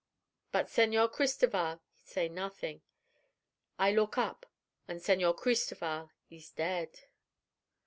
But Señor Cristoval say nothing. I look up, an' Señor Cristoval ees dead."